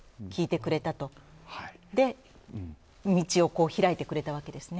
それで道をひらいてくれたわけですね。